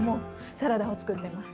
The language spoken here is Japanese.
サラダを作ってます。